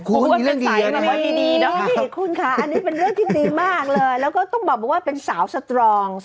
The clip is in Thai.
คุณมีเรื่องดีนะครับคุณค่ะอันนี้เป็นเรื่องที่ดีมากเลยแล้วก็ต้องบอกว่าเป็นสาวสตรอง